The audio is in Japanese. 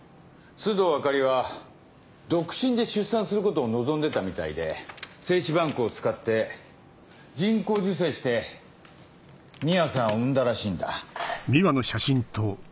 須藤あかりは独身で出産することを望んでたみたいで精子バンクを使って人工授精して美羽さんを生んだらしいんだ。